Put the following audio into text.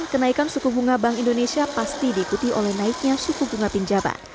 kenaikan suku bunga bank indonesia pasti diikuti oleh naiknya suku bunga pinjaman